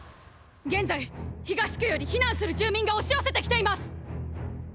現在東区より避難する住民が押し寄せて来ています！！